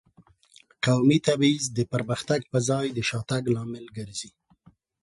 قومي تبعیض د پرمختګ په ځای د شاتګ لامل ګرځي.